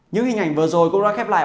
những hình ảnh vừa rồi cũng đã khép lại